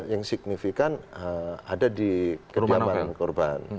yang signifikan ada di kediaman korban